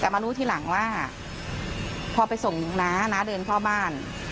แต่มารู้ทีหลังว่าพอไปส่งน้าน้าเดินเข้าบ้าน